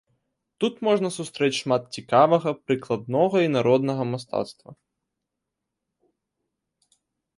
Тут можна сустрэць шмат цікавага прыкладнога і народнага мастацтва.